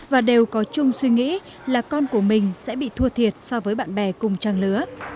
và đều có chung suy nghĩ là con của mình sẽ bị thua thiệt so với bạn bè cùng trang lứa